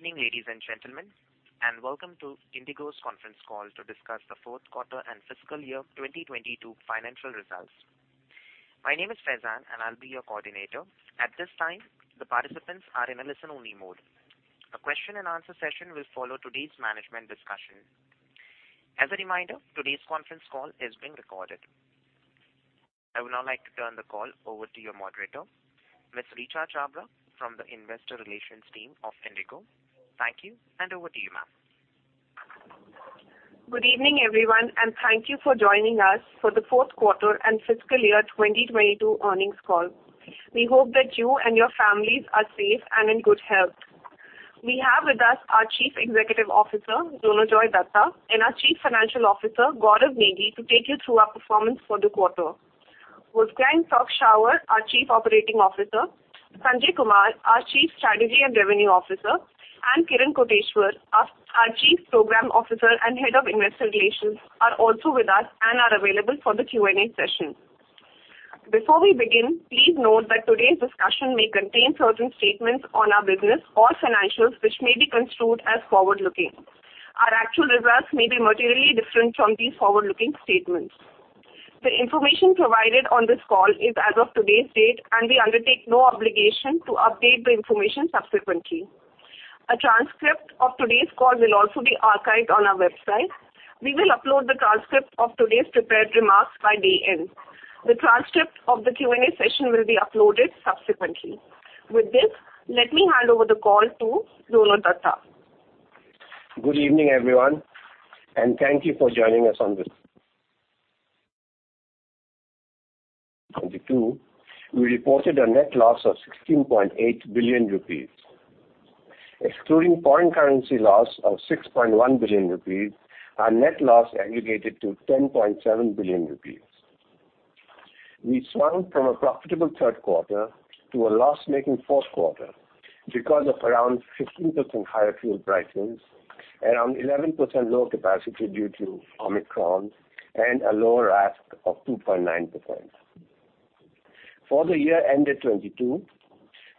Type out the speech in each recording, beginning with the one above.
Evening, ladies and gentlemen, and welcome to IndiGo's conference call to discuss the Fourth Quarter and Fiscal Year 2022 Financial Results. My name is Faizan, and I'll be your coordinator. At this time, the participants are in a listen-only mode. A question and answer session will follow today's management discussion. As a reminder, today's conference call is being recorded. I would now like to turn the call over to your moderator, Ms. Richa Chhabra from the Investor Relations team of IndiGo. Thank you, and over to you, ma'am. Good evening, everyone, and thank you for joining us for the Fourth Quarter and Fiscal Year 2022 Earnings Call. We hope that you and your families are safe and in good health. We have with us our Chief Executive Officer, Ronojoy Dutta, and our Chief Financial Officer, Gaurav Negi, to take you through our performance for the quarter. Wolfgang Prock-Schauer, our Chief Operating Officer, Sanjay Kumar, our Chief Strategy and Revenue Officer, and Kiran Koteshwar, our Chief Program Officer and Head of Investor Relations are also with us and are available for the Q&A session. Before we begin, please note that today's discussion may contain certain statements on our business or financials which may be construed as forward-looking. Our actual results may be materially different from these forward-looking statements. The information provided on this call is as of today's date, and we undertake no obligation to update the information subsequently. A transcript of today's call will also be archived on our website. We will upload the transcript of today's prepared remarks by day end. The transcript of the Q&A session will be uploaded subsequently. With this, let me hand over the call to Ronojoy Dutta. Good evening, everyone, and thank you for joining us on this. 2022, we reported a net loss of 16.8 billion rupees. Excluding foreign currency loss of 6.1 billion rupees, our net loss aggregated to 10.7 billion rupees. We swung from a profitable third quarter to a loss-making fourth quarter because of around 15% higher fuel prices, around 11% lower capacity due to Omicron and a lower RASK of 2.9%. For the year ended 2022,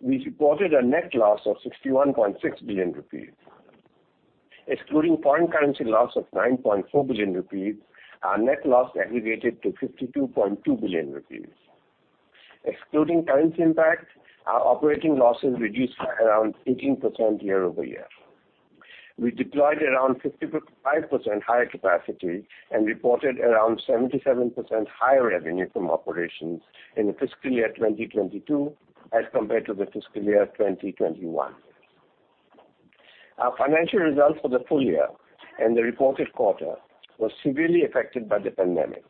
we reported a net loss of 61.6 billion rupees. Excluding foreign currency loss of 9.4 billion rupees, our net loss aggregated to 52.2 billion rupees. Excluding currency impact, our operating losses reduced by around 18% year-over-year. We deployed around 55% higher capacity and reported around 77% higher revenue from operations in the fiscal year 2022 as compared to the fiscal year 2021. Our financial results for the full year and the reported quarter was severely affected by the pandemic.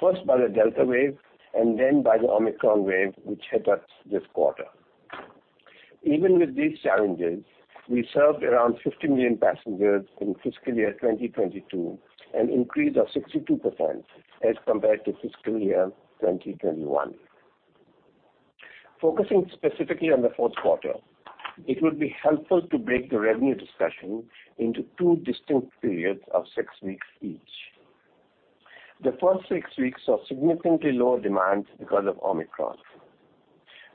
First by the Delta wave and then by the Omicron wave, which hit us this quarter. Even with these challenges, we served around 50 million passengers in fiscal year 2022, an increase of 62% as compared to fiscal year 2021. Focusing specifically on the fourth quarter, it would be helpful to break the revenue discussion into two distinct periods of six weeks each. The first six weeks saw significantly lower demand because of Omicron.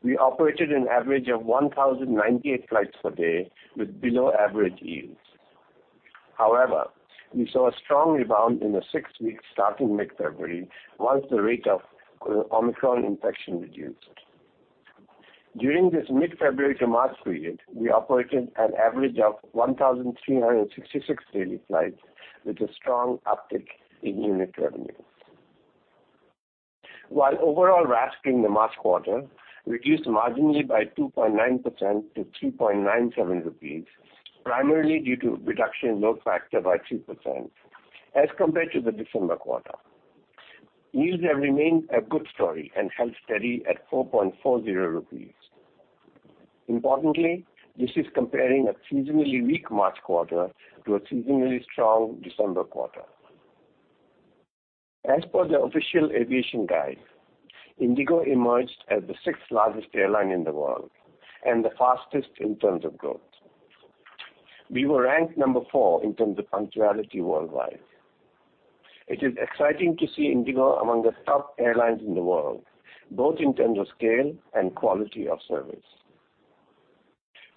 We operated an average of 1,098 flights per day with below average yields. However, we saw a strong rebound in the six weeks starting mid-February once the rate of Omicron infection reduced. During this mid-February to March period, we operated an average of 1,366 daily flights with a strong uptick in unit revenue. While overall RASK in the March quarter reduced marginally by 2.9% to 3.97 rupees, primarily due to reduction in load factor by 2% as compared to the December quarter. Yields have remained a good story and held steady at 4.40 rupees. Importantly, this is comparing a seasonally weak March quarter to a seasonally strong December quarter. As per the Official Aviation Guide, IndiGo emerged as the sixth-largest airline in the world and the fastest in terms of growth. We were ranked number four in terms of punctuality worldwide. It is exciting to see IndiGo among the top airlines in the world, both in terms of scale and quality of service.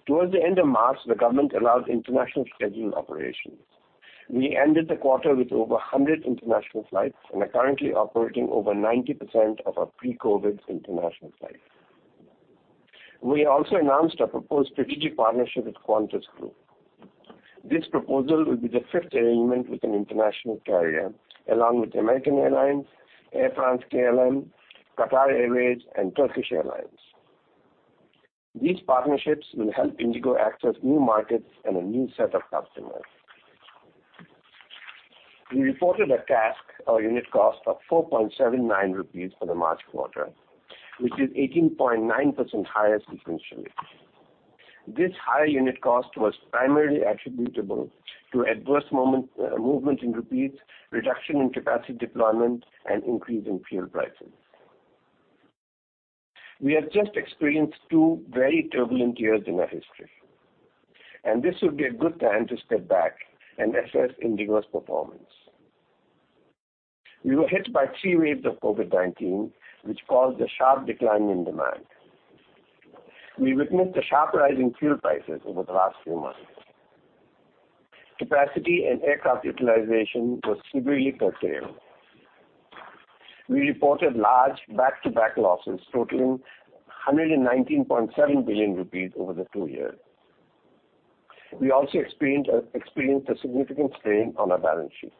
Towards the end of March, the government allowed international scheduled operations. We ended the quarter with over 100 international flights and are currently operating over 90% of our pre-COVID international flights. We also announced a proposed strategic partnership with Qantas Group. This proposal will be the fifth arrangement with an international carrier, along with American Airlines, Air France-KLM, Qatar Airways, and Turkish Airlines. These partnerships will help IndiGo access new markets and a new set of customers. We reported a CASK or unit cost of 4.79 rupees for the March quarter, which is 18.9% higher sequentially. This higher unit cost was primarily attributable to adverse movement in rupees, reduction in capacity deployment, and increase in fuel prices. We have just experienced two very turbulent years in our history, and this would be a good time to step back and assess IndiGo's performance. We were hit by three waves of COVID-19, which caused a sharp decline in demand. We witnessed a sharp rise in fuel prices over the last four months. Capacity and aircraft utilization was severely curtailed. We reported large back-to-back losses totaling 119.7 billion rupees over the two years. We also experienced a significant strain on our balance sheet.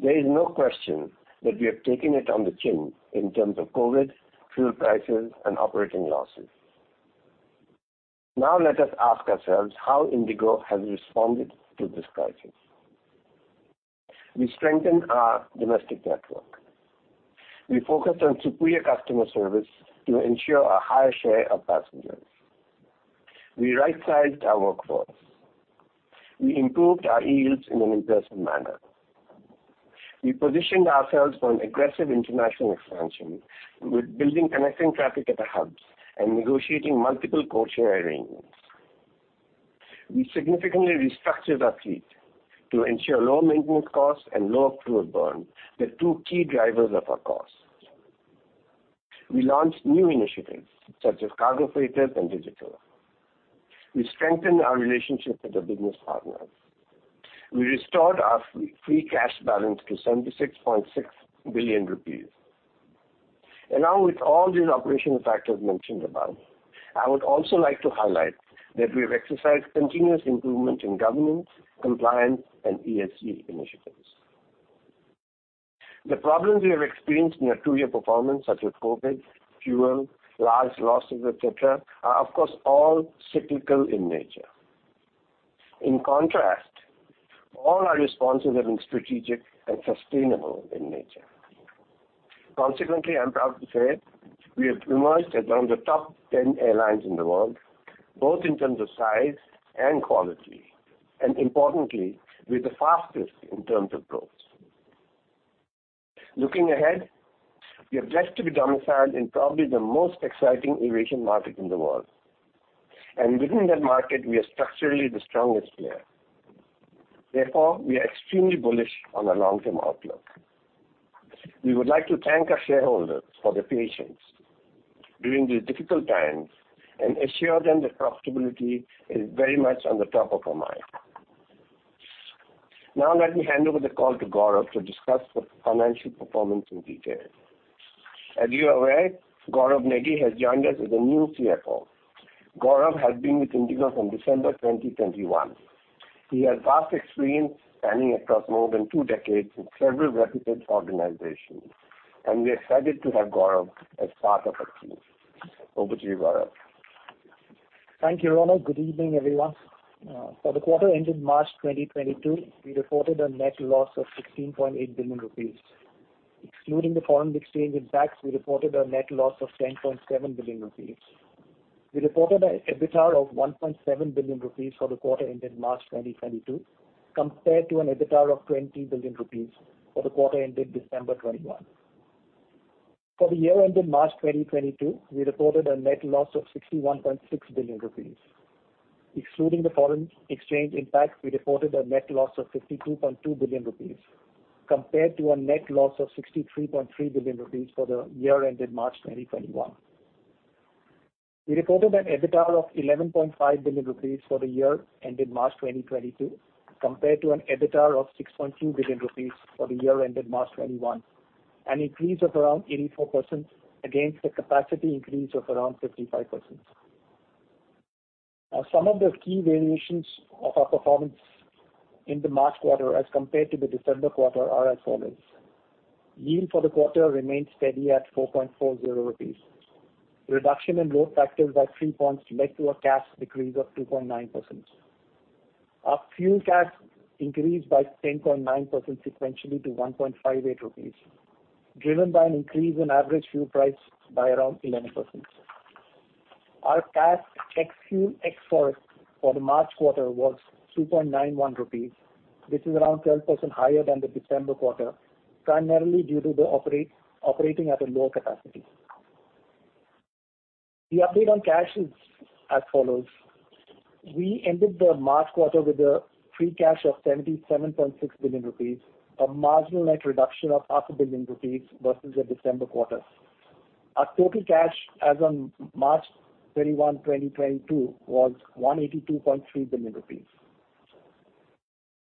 There is no question that we have taken it on the chin in terms of COVID, fuel prices, and operating losses. Now, let us ask ourselves how IndiGo has responded to this crisis. We strengthened our domestic network. We focused on superior customer service to ensure a higher share of passengers. We right-sized our workforce. We improved our yields in an impressive manner. We positioned ourselves for an aggressive international expansion with building connecting traffic at the hubs and negotiating multiple codeshare arrangements. We significantly restructured our fleet to ensure low maintenance costs and low fuel burn, the two key drivers of our costs. We launched new initiatives such as cargo freighters and digital. We strengthened our relationship with the business partners. We restored our free cash balance to 76.6 billion rupees. Along with all these operational factors mentioned above, I would also like to highlight that we have exercised continuous improvement in governance, compliance, and ESG initiatives. The problems we have experienced in our two-year performance, such as COVID, fuel, large losses, et cetera, are of course, all cyclical in nature. In contrast, all our responses have been strategic and sustainable in nature. Consequently, I am proud to say we have emerged as one of the top 10 airlines in the world, both in terms of size and quality, and importantly, we're the fastest in terms of growth. Looking ahead, we are blessed to be domiciled in probably the most exciting aviation market in the world. Within that market, we are structurally the strongest player. Therefore, we are extremely bullish on our long-term outlook. We would like to thank our shareholders for their patience during these difficult times and assure them that profitability is very much on the top of our mind. Now let me hand over the call to Gaurav to discuss the financial performance in detail. As you are aware, Gaurav Negi has joined us as a new CFO. Gaurav has been with IndiGo from December 2021. He has vast experience spanning across more than two decades with several reputed organizations, and we are excited to have Gaurav as part of our team. Over to you, Gaurav. Thank you, Ronojoy Dutta. Good evening, everyone. For the quarter ending March 2022, we reported a net loss of 16.8 billion rupees. Excluding the foreign exchange impacts, we reported a net loss of 10.7 billion rupees. We reported an EBITDA of 1.7 billion rupees for the quarter ending March 2022, compared to an EBITDA of 20 billion rupees for the quarter ending December 2021. For the year ending March 2022, we reported a net loss of 61.6 billion rupees. Excluding the foreign exchange impact, we reported a net loss of 52.2 billion rupees, compared to a net loss of 63.3 billion rupees for the year ending March 2021. We reported an EBITDA of 11.5 billion rupees for the year ending March 2022, compared to an EBITDA of 6.2 billion rupees for the year ending March 2021, an increase of around 84% against a capacity increase of around 55%. Some of the key variations of our performance in the March quarter as compared to the December quarter are as follows. Yield for the quarter remained steady at 4.40 rupees. Reduction in load factors by three points led to a CASK decrease of 2.9%. Our fuel CASK increased by 10.9% sequentially to 1.58 rupees, driven by an increase in average fuel price by around 11%. Our CASK ex fuel, ex forex for the March quarter was 2.91 rupees. This is around 12% higher than the December quarter, primarily due to operating at a lower capacity. The update on cash is as follows. We ended the March quarter with a free cash of 77.6 billion rupees, a marginal net reduction of INR 500 millllion versus the December quarter. Our total cash as on March 21, 2022 was 182.3 billion rupees.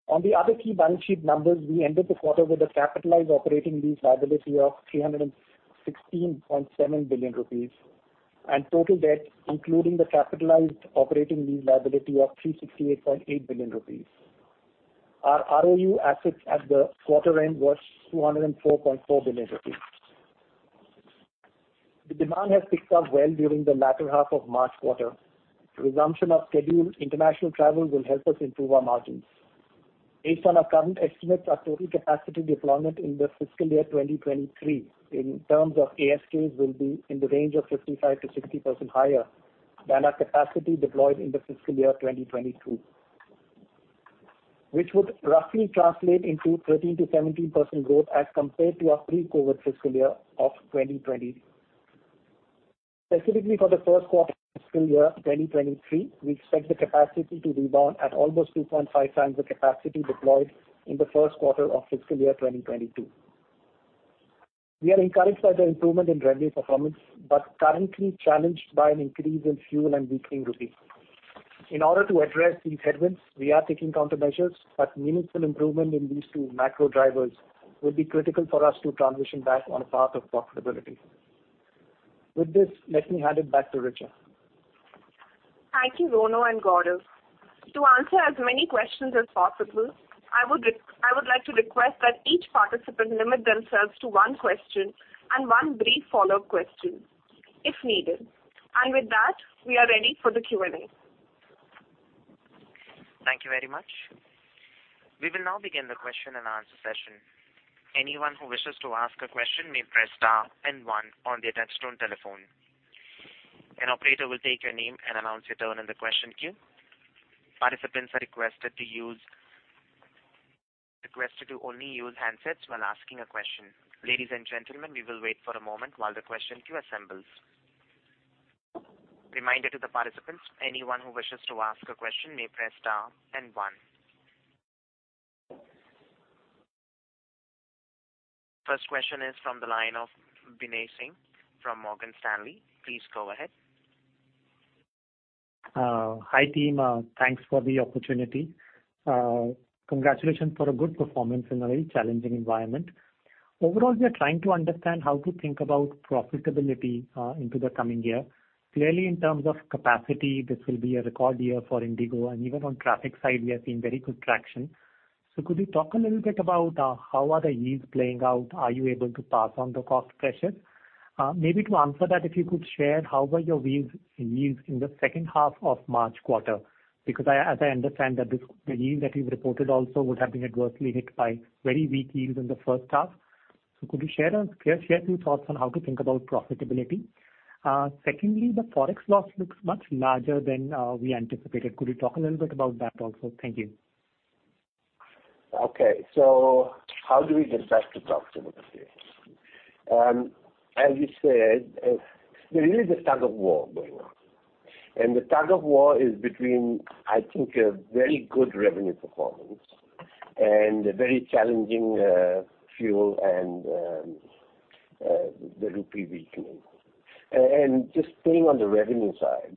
On the other key balance sheet numbers, we ended the quarter with a capitalized operating lease liability of 316.7 billion rupees, and total debt, including the capitalized operating lease liability of 368.8 billion rupees. Our ROU assets at the quarter end was 204.4 billion rupees. The demand has picked up well during the latter half of March quarter. Resumption of scheduled international travel will help us improve our margins. Based on our current estimates, our total capacity deployment in the fiscal year 2023 in terms of ASKs will be in the range of 55%-60% higher than our capacity deployed in the fiscal year 2022, which would roughly translate into 13%-17% growth as compared to our pre-COVID fiscal year of 2020. Specifically for the first quarter fiscal year 2023, we expect the capacity to rebound at almost 2.5x the capacity deployed in the first quarter of fiscal year 2022. We are encouraged by the improvement in revenue performance, but currently challenged by an increase in fuel and weakening rupee. In order to address these headwinds, we are taking countermeasures, but meaningful improvement in these two macro drivers will be critical for us to transition back on a path of profitability. With this, let me hand it back to Richa. Thank you, Ronojoy and Gaurav. To answer as many questions as possible, I would like to request that each participant limit themselves to one question and one brief follow-up question if needed. With that, we are ready for the Q&A. Thank you very much. We will now begin the question-and-answer session. Anyone who wishes to ask a question may press star and one on their touch-tone telephone. An operator will take your name and announce your turn in the question queue. Participants are requested to only use handsets when asking a question. Ladies and gentlemen, we will wait for a moment while the question queue assembles. Reminder to the participants, anyone who wishes to ask a question may press star and one. First question is from the line of Binay Singh from Morgan Stanley. Please go ahead. Hi, team. Thanks for the opportunity. Congratulations for a good performance in a very challenging environment. Overall, we are trying to understand how to think about profitability into the coming year. Clearly, in terms of capacity, this will be a record year for IndiGo, and even on traffic side we are seeing very good traction. Could we talk a little bit about how are the yields playing out? Are you able to pass on the cost pressure? Maybe to answer that, if you could share how were your yields in the second half of March quarter? Because I, as I understand that the yield that you've reported also would have been adversely hit by very weak yields in the first half. Could you share us a few thoughts on how to think about profitability? Secondly, the forex loss looks much larger than we anticipated. Could you talk a little bit about that also? Thank you. Okay, how do we get back to profitability? As you said, there is a tug-of-war going on, and the tug-of-war is between, I think, a very good revenue performance and a very challenging fuel and the rupee weakening. And just staying on the revenue side,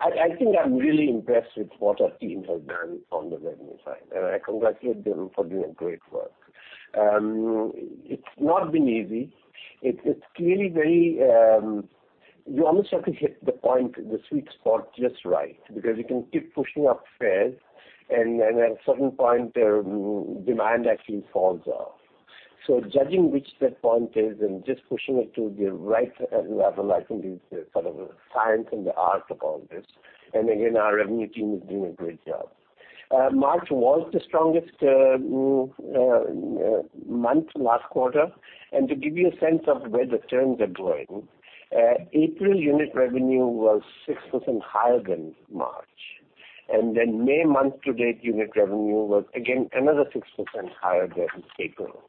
I think I'm really impressed with what our teams have done on the revenue side, and I congratulate them for doing great work. It's not been easy. It's clearly very—you almost have to hit the point, the sweet spot just right, because you can keep pushing up fares and at a certain point their demand actually falls off. Judging which that point is and just pushing it to the right level, I think, is the sort of science and the art about this. Again, our revenue team is doing a great job. March was the strongest month last quarter. To give you a sense of where the trends are growing, April unit revenue was 6% higher than March. Then May month-to-date unit revenue was again another 6% higher than April,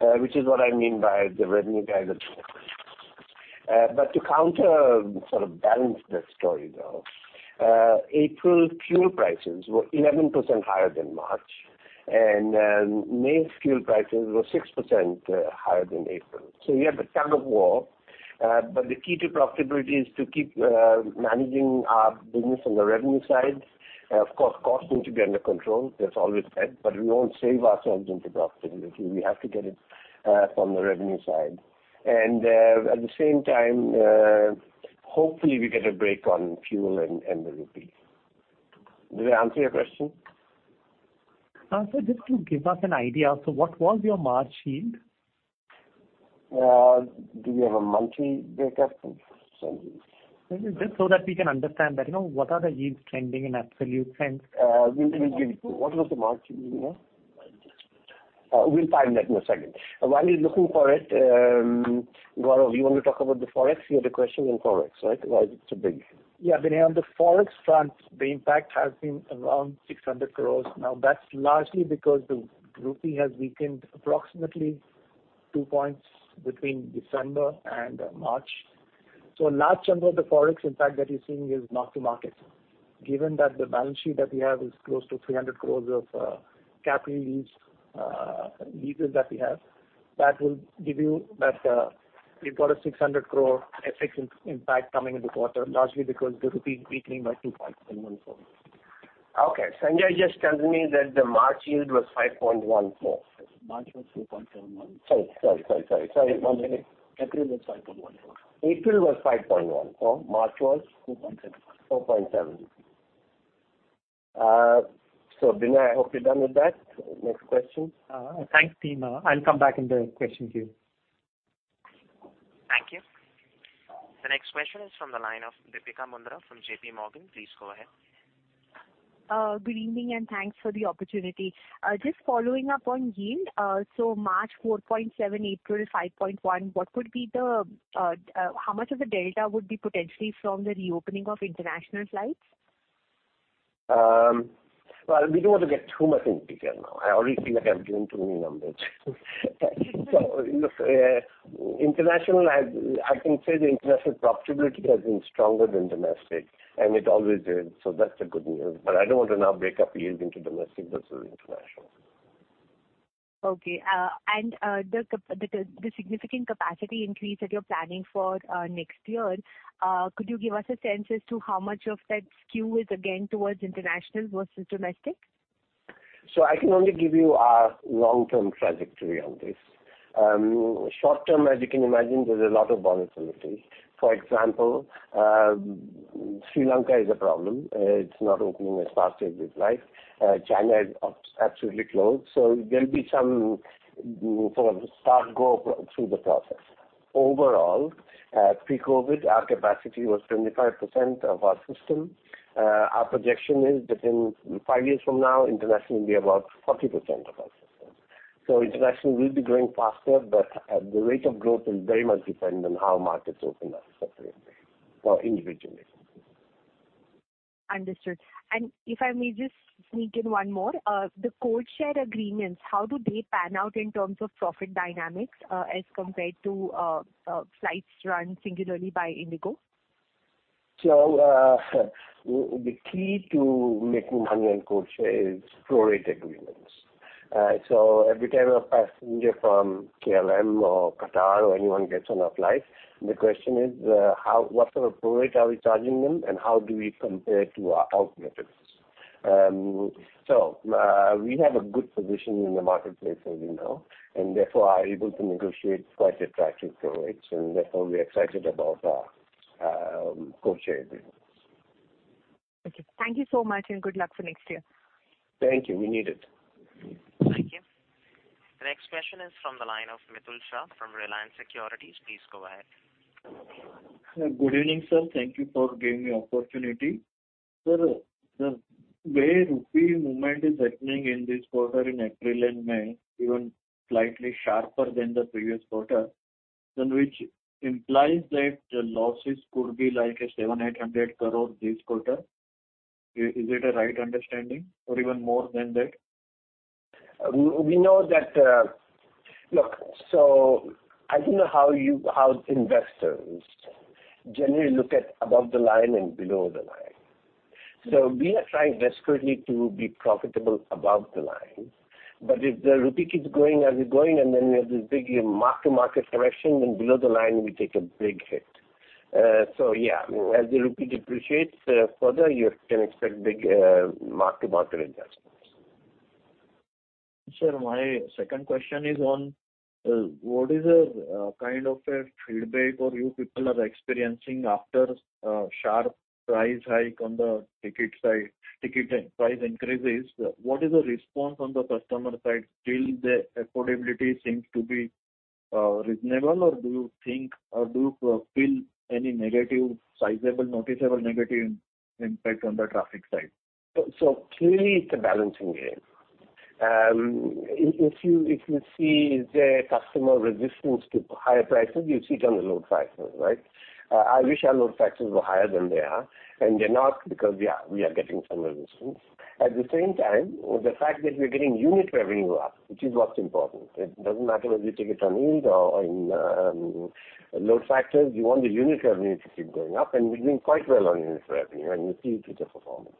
which is what I mean by the revenue guy. To counter and sort of balance that story, though, April fuel prices were 11% higher than March, and May's fuel prices were 6% higher than April. You have a tug-of-war, but the key to profitability is to keep managing our business on the revenue side. Of course, costs need to be under control, that's always said, but we won't save ourselves into profitability. We have to get it from the revenue side. At the same time, hopefully we get a break on fuel and the rupee. Did I answer your question? Sir, just to give us an idea, what was your March yield? Do we have a monthly breakup of yields? Just so that we can understand better, what are the yields trending in absolute sense? We'll give you. What was the March yield again? We'll find that in a second. While we're looking for it, Gaurav, you want to talk about the forex? You had a question on forex, right? Why it's so big. Yeah, Binay Singh, on the Forex front, the impact has been around 600 crores. Now, that's largely because the rupee has weakened approximately 2 points between December and March. A large chunk of the Forex impact that you're seeing is mark to market. Given that the balance sheet that we have is close to 300 crores of capital leases that we have, that will give you that, we've got a 600 crore effect impact coming in the quarter, largely because the rupee weakening by 2.714. Okay. Sanjay just tells me that the March yield was 5.14. March was 2.71%. Sorry, one minute. April was 5.14%. April was 5.1%. March was? 4.7%. 4.7%. Binny, I hope you're done with that. Next question. Thanks, team. I'll come back in the question queue. Thank you. The next question is from the line of Deepika Mundra from JPMorgan. Please go ahead. Good evening and thanks for the opportunity. Just following up on yield. March 4.7%, April 5.1%. What would be how much of the delta would be potentially from the reopening of international flights? Well, we don't want to get too much into detail now. I already feel like I've given too many numbers. Look, international. I can say the international profitability has been stronger than domestic, and it always is. That's the good news. I don't want to now break up yields into domestic versus international. The significant capacity increase that you're planning for next year, could you give us a sense as to how much of that skew is again towards international versus domestic? I can only give you our long-term trajectory on this. Short term, as you can imagine, there's a lot of volatility. For example, Sri Lanka is a problem. It's not opening as fast as we'd like. China is absolutely closed. There'll be some sort of start, go through the process. Overall, pre-COVID, our capacity was 25% of our system. Our projection is that in five years from now, international will be about 40% of our system. International will be growing faster, but, the rate of growth will very much depend on how markets open up separately or individually. Understood. If I may just sneak in one more. The codeshare agreements, how do they pan out in terms of profit dynamics, as compared to flights run singularly by IndiGo? The key to making money on codeshare is prorate agreements. Every time a passenger from KLM or Qatar or anyone gets on our flight, the question is, what sort of prorate are we charging them, and how do we compare to our alternatives? We have a good position in the marketplace as you know, and therefore are able to negotiate quite attractive prorates, and therefore we're excited about our codeshare agreements. Okay. Thank you so much, and good luck for next year. Thank you. We need it. Thank you. The next question is from the line of Mitul Shah from Reliance Securities. Please go ahead. Good evening, sir. Thank you for giving me opportunity. Sir, the way rupee movement is happening in this quarter in April and May, even slightly sharper than the previous quarter, then which implies that the losses could be like 700 crore-800 crore this quarter. Is it a right understanding or even more than that? We know that. Look, I don't know how investors generally look at above the line and below the line. We are trying desperately to be profitable above the line. If the rupee keeps going as it's going, and then we have this big mark-to-market correction, then below the line we take a big hit. Yeah, as the rupee depreciates further, you can expect big mark-to-market adjustments. Sir, my second question is on what is the kind of a feedback or you people are experiencing after sharp price hike on the ticket side, ticket price increases? What is the response on the customer side? Still the affordability seems to be reasonable, or do you think or do you feel any negative, sizable, noticeable negative impact on the traffic side? Clearly, it's a balancing game. If you see the customer resistance to higher prices, you see it on the load factors, right? I wish our load factors were higher than they are, and they're not because, yeah, we are getting some resistance. At the same time, the fact that we are getting unit revenue up, which is what's important. It doesn't matter whether you take it on yield or in load factors. You want the unit revenue to keep going up, and we're doing quite well on unit revenue, and you see it in the performance.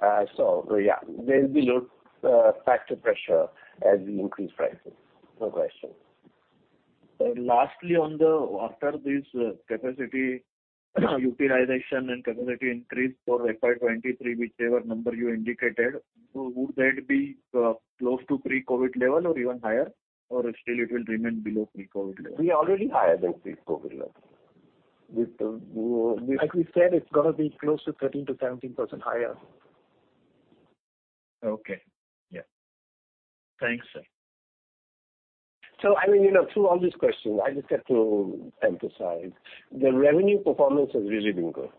There'll be load factor pressure as we increase prices. No question. Lastly, after this capacity utilization and capacity increase for FY 2023, whichever number you indicated, so would that be close to pre-COVID level or even higher, or still it will remain below pre-COVID level? We are already higher than pre-COVID level. With the- Like we said, it's gonna be close to 13%-17% higher. Okay. Yeah. Thanks, sir. I mean, through all these questions, I just have to emphasize, the revenue performance has really been good,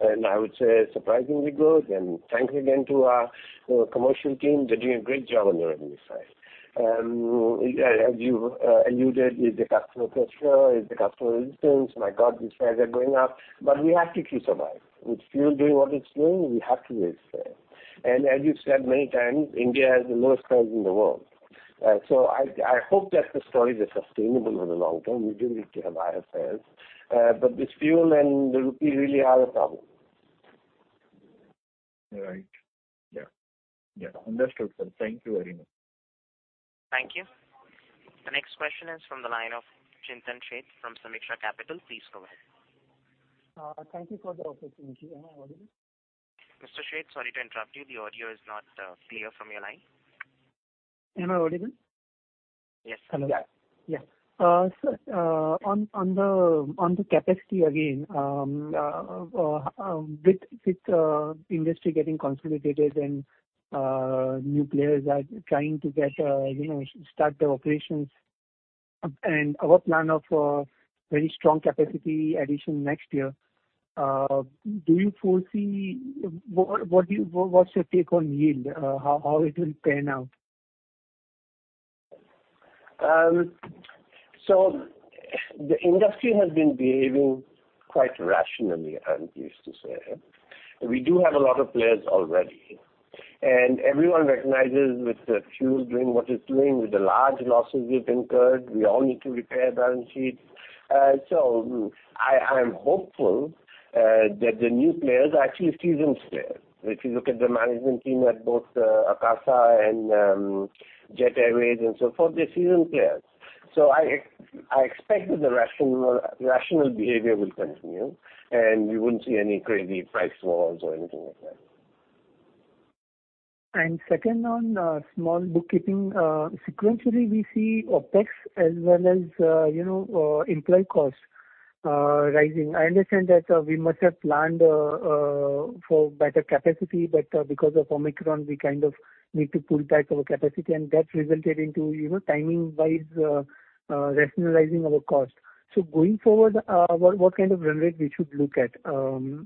and I would say surprisingly good. Thanks again to our commercial team. They're doing a great job on the revenue side. As you alluded, with the customer pressure, with the customer resistance, my God, these fares are going up. We have to keep surviving. With fuel doing what it's doing, we have to raise fares. As you've said many times, India has the lowest fares in the world. I hope that the fares are sustainable in the long term. We do need to have higher fares. With fuel and the rupee really are a problem. Right. Yeah. Understood, sir. Thank you very much. Thank you. The next question is from the line of Chintan Sheth from Samiksha Capital. Please go ahead. Thank you for the opportunity. Am I audible? Mr. Sheth, sorry to interrupt you. The audio is not clear from your line. Am I audible? Yes. Hello. Sir, on the capacity again, with industry getting consolidated and new players are trying to get, start their operations and our plan of very strong capacity addition next year, what's your take on yield? How it will pan out? The industry has been behaving quite rationally, I'm used to say. We do have a lot of players already, and everyone recognizes with the fuel doing what it's doing, with the large losses we've incurred, we all need to repair balance sheets. I am hopeful that the new players are actually seasoned players. If you look at the management team at both, Akasa and, Jet Airways and so forth, they're seasoned players. I expect that the rational behavior will continue, and we wouldn't see any crazy price wars or anything like that. Second on small bookkeeping, sequentially, we see OpEx as well as employee costs rising. I understand that we must have planned for better capacity, but because of Omicron, we kind of need to pull back our capacity, and that resulted into timing-wise, rationalizing our cost. Going forward, what kind of run rate we should look at?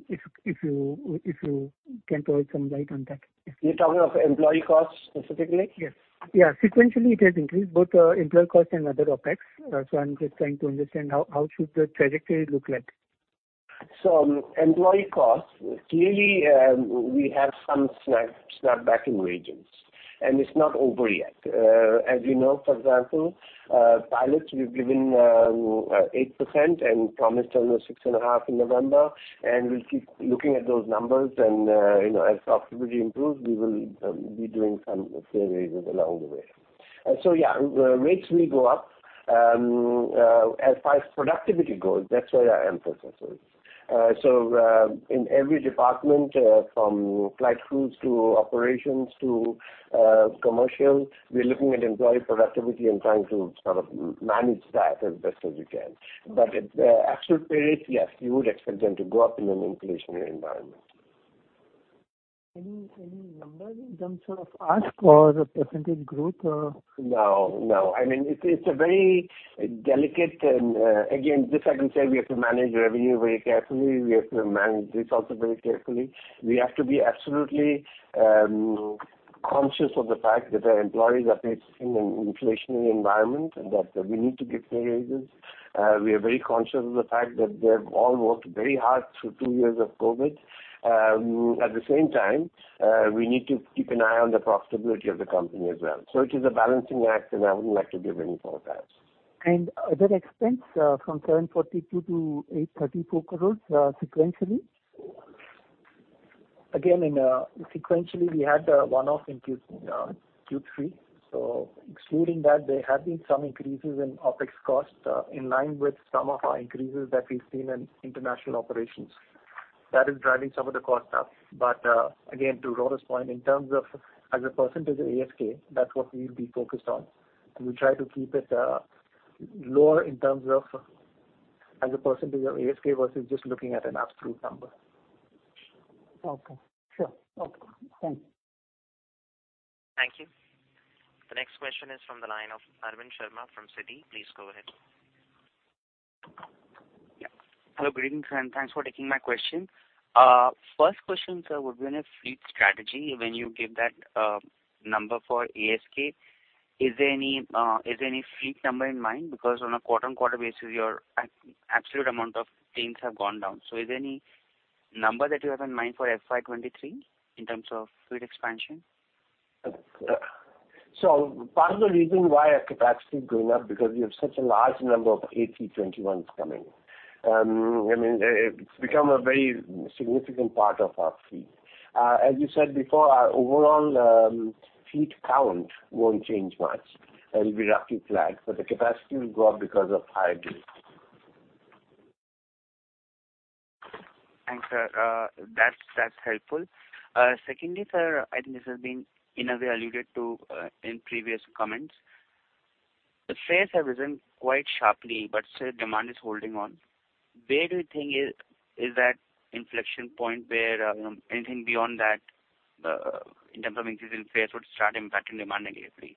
If you can throw some light on that. You're talking of employee costs specifically? Yes. Yeah. Sequentially, it has increased both employee costs and other OpEx. I'm just trying to understand how should the trajectory look like? Employee costs, clearly, we have some snapback in wages, and it's not over yet. As you know, for example, pilots, we've given 8% and promised another 6.5% in November, and we'll keep looking at those numbers and as profitability improves, we will be doing some pay raises along the way. Yeah, wage rates will go up. As far as productivity goes, that's where our emphasis is. In every department, from flight crews to operations to commercial, we're looking at employee productivity and trying to sort of manage that as best as we can. At the absolute pay rates, yes, you would expect them to go up in an inflationary environment. Any numbers in terms of ASK or the percentage growth or? No, no. I mean, it's a very delicate and, again, just like we said, we have to manage revenue very carefully. We have to manage this also very carefully. We have to be absolutely conscious of the fact that our employees are facing an inflationary environment and that we need to give pay raises. We are very conscious of the fact that they've all worked very hard through two years of COVID. At the same time, we need to keep an eye on the profitability of the company as well. It is a balancing act, and I wouldn't like to give any forecast. That expense from 742 crores to 834 crores sequentially? Again, sequentially, we had a one-off in Q3. Excluding that, there have been some increases in OpEx costs, in line with some of our increases that we've seen in international operations. That is driving some of the cost up. Again, to Ronojoy's point, in terms of as a percentage of ASK, that's what we'll be focused on. We try to keep it lower in terms of as a percentage of ASK versus just looking at an absolute number. Okay. Sure. Okay. Thanks. Thank you. The next question is from the line of Arvind Sharma from Citi. Please go ahead. Yeah. Hello, greetings, and thanks for taking my question. First question, sir, would be on a fleet strategy. When you give that number for ASK, is there any fleet number in mind? Because on a quarter-on-quarter basis, your absolute amount of planes have gone down. Is there any number that you have in mind for FY 2023 in terms of fleet expansion? Part of the reason why our capacity is going up because we have such a large number of A321s coming. I mean, it's become a very significant part of our fleet. As you said before, our overall fleet count won't change much. It'll be roughly flat, but the capacity will go up because of higher density. Thanks, sir. That's helpful. Secondly, sir, I think this has been in a way alluded to in previous comments. The fares have risen quite sharply, but still demand is holding on. Where do you think is that inflection point where anything beyond that in terms of increase in fares would start impacting demand negatively?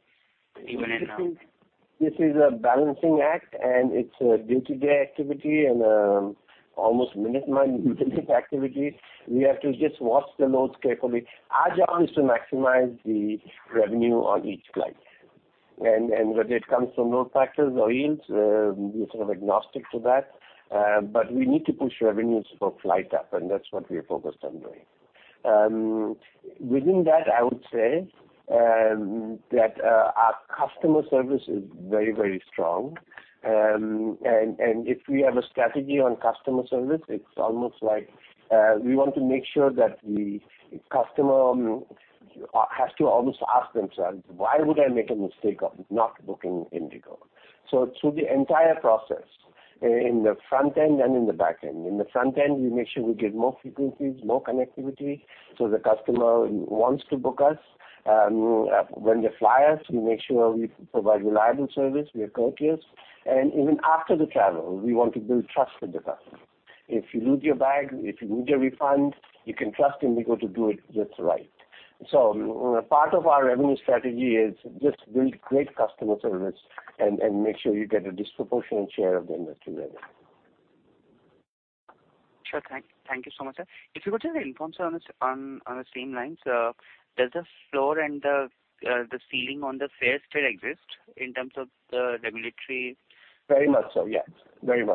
This is a balancing act, and it's a day-to-day activity and almost minute-by-minute activity. We have to just watch the loads carefully. Our job is to maximize the revenue on each flight. Whether it comes from load factors or yields, we're sort of agnostic to that. But we need to push revenues per flight up, and that's what we are focused on doing. Within that, I would say that our customer service is very, very strong. If we have a strategy on customer service, it's almost like we want to make sure that the customer has to almost ask themselves, "Why would I make a mistake of not booking IndiGo?" Through the entire process in the front end and in the back end. In the front end, we make sure we give more frequencies, more connectivity, so the customer wants to book us. When they fly us, we make sure we provide reliable service. We are courteous. Even after the travel, we want to build trust with the customer. If you lose your bag, if you need a refund, you can trust IndiGo to do it just right. Part of our revenue strategy is just build great customer service and make sure you get a disproportionate share of the industry revenue. Sure. Thank you so much, sir. If you go to the reforms on the same lines, does the floor and the ceiling on the fares still exist in terms of the regulatory? Very much so, yes. You don't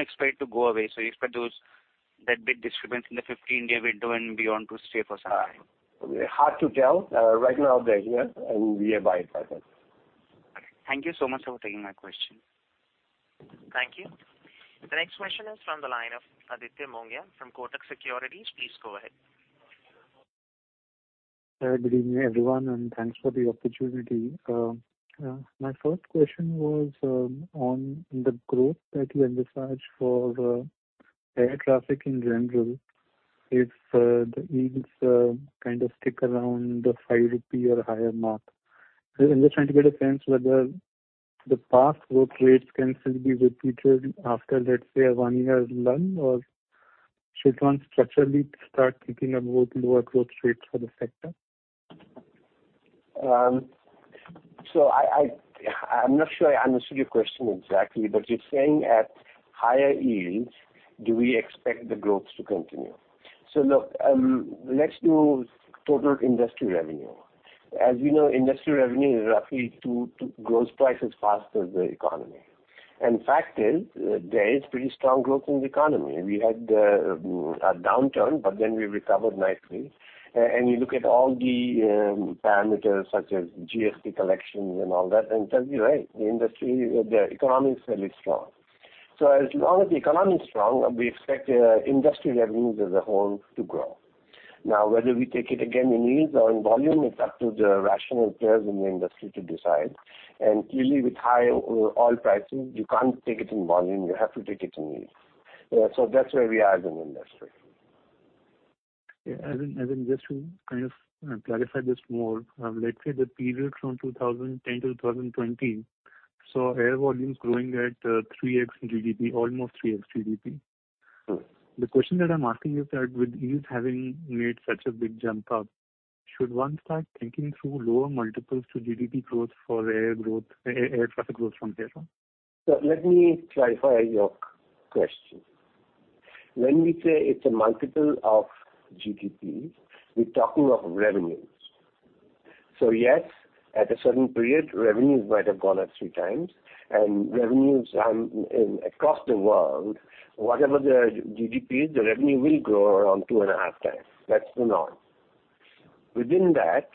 expect it to go away, so you expect that big disturbance in the 15-day window and beyond to stay for some time? Hard to tell. Right now they're here, and we abide by that. Thank you so much for taking my question. Thank you. The next question is from the line of Aditya Mongia from Kotak Securities. Please go ahead. Good evening, everyone, and thanks for the opportunity. My first question was on the growth that you emphasized for the air traffic in general. If the yields kind of stick around the 5 rupee or higher mark. I'm just trying to get a sense whether the past growth rates can still be repeated after, let's say, one year is done? Or should one structurally start thinking about lower growth rates for the sector? I'm not sure I understood your question exactly, but you're saying at higher yields do we expect the growth to continue. Look, let's do total industry revenue. As we know, industry revenue roughly grows twice as fast as the economy. The fact is there is pretty strong growth in the economy. We had a downturn, but then we recovered nicely. You look at all the parameters such as GST collections and all that, it tells you, hey, the industry, the economy is fairly strong. As long as the economy is strong, we expect industry revenues as a whole to grow. Now, whether we take it again in yields or in volume is up to the rational players in the industry to decide. Clearly, with high oil pricing, you can't take it in volume, you have to take it in yields. That's where we are as an industry. As in, just to kind of clarify this more, let's say the period from 2010 to 2020 saw air volumes growing at 3x GDP, almost 3x GDP. Yes. The question that I'm asking is that with yields having made such a big jump up, should one start thinking through lower multiples to GDP growth for air traffic growth from here on? Let me clarify your question. When we say it's a multiple of GDP, we're talking of revenues. Yes, at a certain period, revenues might have gone up 3x. Revenues across the world, whatever the GDP is, the revenue will grow around 2.5x. That's the norm. Within that,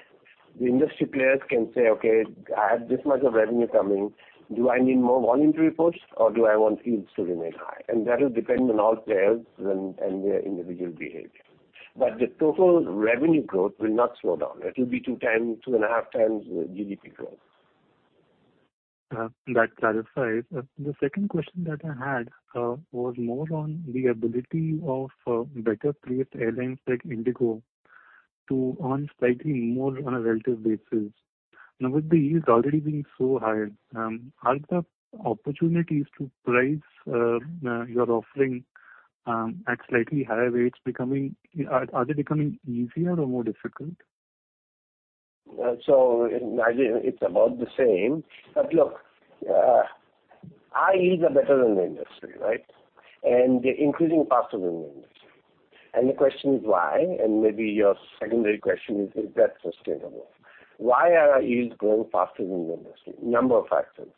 the industry players can say, "Okay, I have this much of revenue coming. Do I need more volume to be pushed or do I want yields to remain high?" That will depend on all players and their individual behavior. The total revenue growth will not slow down. It will be 2x, 2.5x the GDP growth. That clarifies. The second question that I had was more on the ability of better placed airlines like IndiGo to earn slightly more on a relative basis. Now, with the yields already being so high, are the opportunities to price your offering at slightly higher rates becoming easier or more difficult? In my view it's about the same. Look, our yields are better than the industry, right? They're increasing faster than the industry. The question is why? Maybe your secondary question is that sustainable? Why are our yields growing faster than the industry? A number of factors.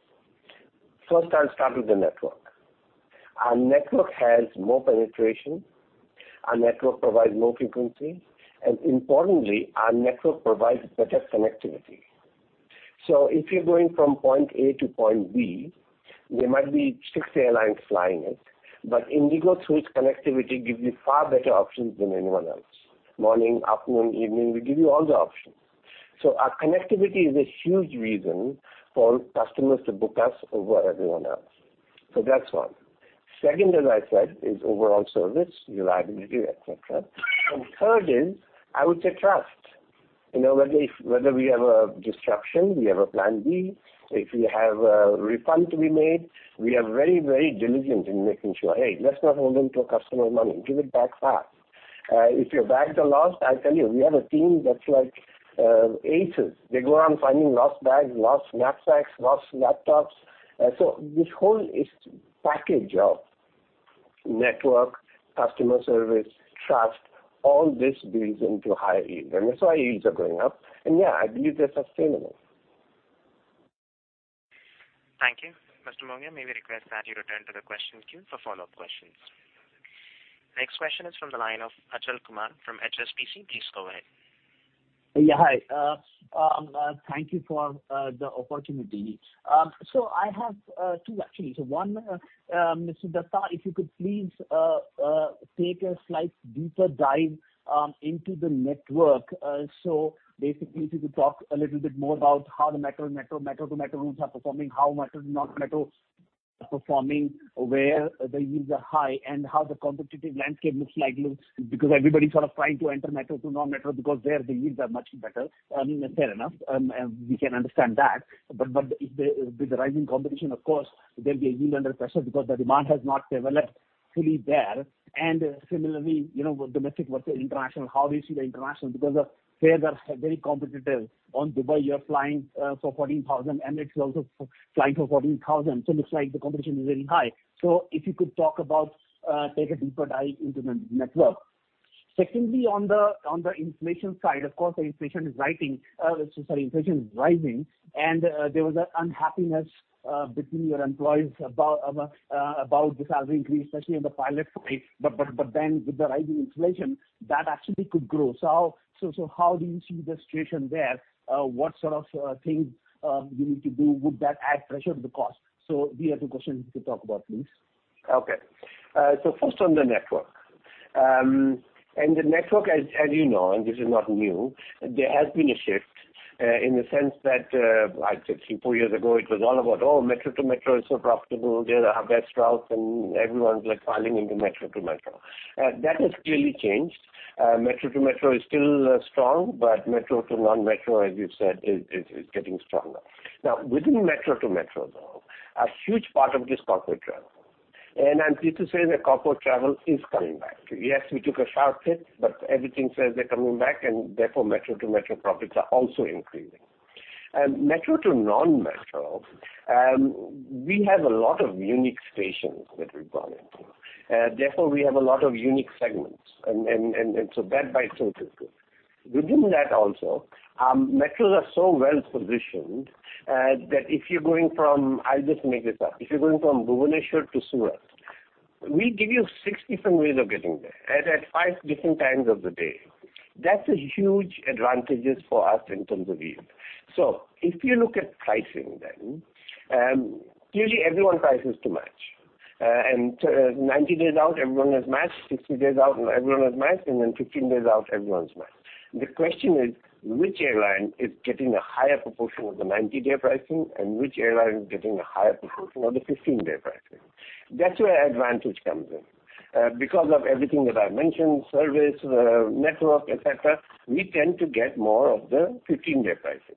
First, I'll start with the network. Our network has more penetration, our network provides more frequency, and importantly, our network provides better connectivity. If you're going from point A to point B, there might be six airlines flying it, but IndiGo through its connectivity gives you far better options than anyone else. Morning, afternoon, evening, we give you all the options. Our connectivity is a huge reason for customers to book us over everyone else. That's one. Second, as I said, is overall service, reliability, et cetera. Third is, I would say trust. Whether we have a disruption, we have a plan B. If we have a refund to be made, we are very, very diligent in making sure, "Hey, let's not hold onto a customer's money. Give it back fast." If your bags are lost, I tell you, we have a team that's like aces. They go around finding lost bags, lost backpacks, lost laptops. So this whole package of network, customer service, trust, all this builds into high yield. That's why yields are going up. Yeah, I believe they're sustainable. Thank you. Mr. Mongia, may we request that you return to the question queue for follow-up questions. Next question is from the line of Achal Kumar from HSBC. Please go ahead. Yeah. Hi. Thank you for the opportunity. I have two actually. One, Mr. Dutta, if you could please take a slight deeper dive into the network. Basically, if you could talk a little bit more about how the metro to metro routes are performing, how metro to non-metro are performing, where the yields are high, and how the competitive landscape looks like. Because everybody's sort of trying to enter metro to non-metro because there the yields are much better. I mean, fair enough, we can understand that. But with the rising competition, of course, there'll be a yield under pressure because the demand has not developed fully there. Similarly, with domestic versus international, how do you see the international? Because fares are very competitive. On Dubai you are flying for 14,000. Emirates is also flying for 14,000. Looks like the competition is very high. If you could take a deeper dive into the network. Secondly, on the inflation side, of course inflation is rising, and there was a unhappiness between your employees about the salary increase, especially in the pilot space. Then with the rising inflation, that actually could grow. How do you see the situation there? What sort of things you need to do? Would that add pressure to the cost? These are two questions to talk about, please. Okay. First on the network. The network, as you know, and this is not new, there has been a shift in the sense that like three, four years ago it was all about, oh, metro to metro is so profitable. They are our best routes and everyone's like piling into metro to metro. That has clearly changed. Metro to metro is still strong, but metro to non-metro, as you said, is getting stronger. Now, within metro to metro though, a huge part of it is corporate travel. I'm pleased to say that corporate travel is coming back. Yes, we took a sharp hit, but everything says they're coming back and therefore metro to metro profits are also increasing. Metro to non-metro, we have a lot of unique stations that we've gone into, therefore we have a lot of unique segments and so that by itself is good. Within that also, metros are so well-positioned, that if you're going from. I'll just make this up. If you're going from Bhubaneswar to Surat, we give you six different ways of getting there at five different times of the day. That's a huge advantages for us in terms of yield. If you look at pricing then, usually everyone prices to match. 90 days out everyone has matched, 60 days out everyone has matched, and then 15 days out everyone's matched. The question is, which airline is getting a higher proportion of the 90-day pricing and which airline is getting a higher proportion of the 15-day pricing? That's where advantage comes in. Because of everything that I mentioned, service, network, et cetera, we tend to get more of the 15-day pricing.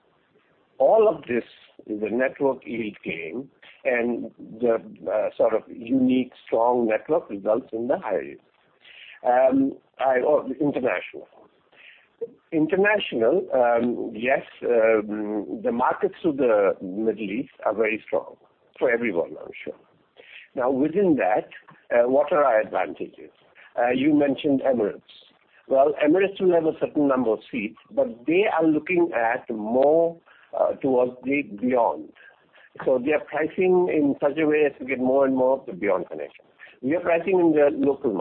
All of this is a network yield game and the sort of unique strong network results in the high yield. International, yes, the markets to the Middle East are very strong for everyone, I'm sure. Now, within that, what are our advantages? You mentioned Emirates. Well, Emirates will have a certain number of seats, but they are looking at more towards the beyond. So they are pricing in such a way as to get more and more of the beyond connection. We are pricing in the local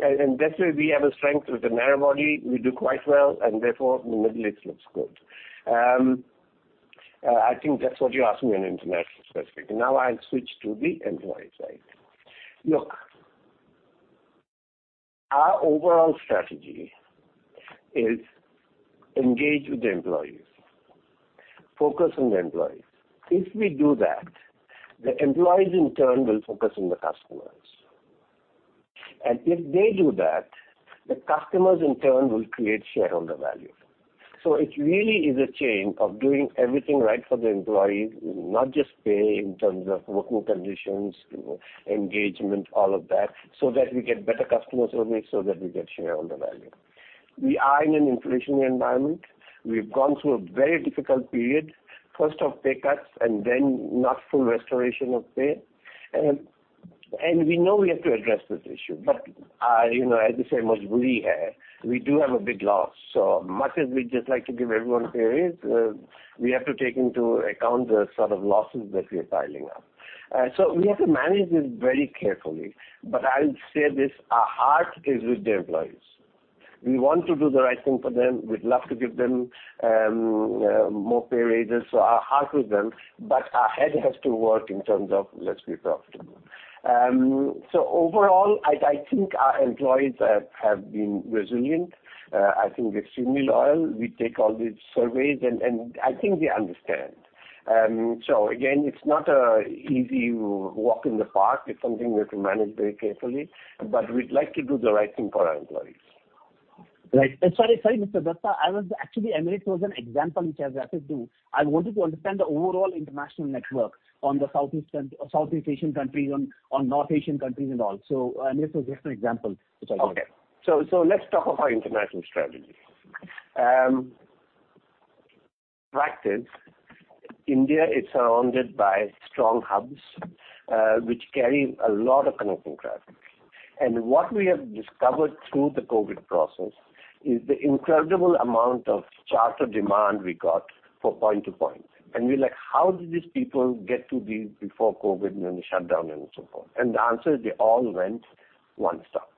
market. That's where we have a strength with the narrow body. We do quite well and therefore the Middle East looks good. I think that's what you asked me on international specific. Now, I'll switch to the employee side. Look, our overall strategy is engage with the employees, focus on the employees. If we do that, the employees in turn will focus on the customers. If they do that, the customers in turn will create shareholder value. It really is a chain of doing everything right for the employees, not just pay in terms of working conditions, you know, engagement, all of that, so that we get better customer service, so that we get shareholder value. We are in an inflationary environment. We've gone through a very difficult period, first of pay cuts and then not full restoration of pay. We know we have to address this issue. As they say, we do have a big loss. As much as we'd just like to give everyone a pay raise, we have to take into account the sort of losses that we are piling up. We have to manage this very carefully. I'll say this, our heart is with the employees. We want to do the right thing for them. We'd love to give them more pay raises, our heart is with them, but our head has to work in terms of let's be profitable. Overall, I think our employees have been resilient. I think they're extremely loyal. We take all these surveys and I think they understand. Again, it's not an easy walk in the park. It's something we have to manage very carefully, but we'd like to do the right thing for our employees. Right. Sorry, Mr. Dutta. Actually, Emirates was an example which I referred to. I wanted to understand the overall international network on the Southeast Asian countries, on North Asian countries and all. This was just an example which I got. Okay. Let's talk of our international strategy. Fact is, India is surrounded by strong hubs, which carry a lot of connecting traffic. What we have discovered through the COVID-19 process is the incredible amount of charter demand we got for point-to-point. We're like, "How did these people get to these before COVID-19 and the shutdown and so forth?" The answer is they all went one-stop.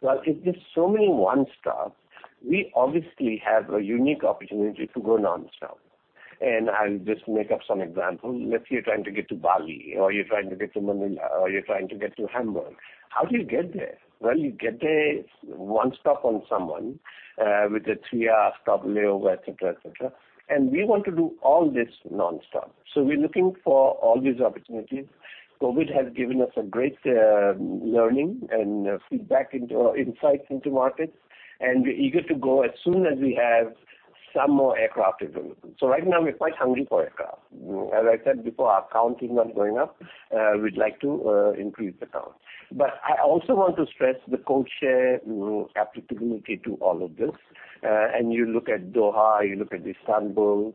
Well, if there's so many one-stop, we obviously have a unique opportunity to go nonstop. I'll just make up some example. Let's say you're trying to get to Bali or you're trying to get to Manila or you're trying to get to Hamburg. How do you get there? Well, you get a one-stop on someone, with a three-hour stop layover, et cetera, et cetera. We want to do all this nonstop. We're looking for all these opportunities. COVID-19 has given us a great learning and feedback into our insights into markets, and we're eager to go as soon as we have some more aircraft available. Right now we're quite hungry for aircraft. As I said before, our count is not going up. We'd like to increase the count. I also want to stress the code share applicability to all of this. You look at Doha, you look at Istanbul,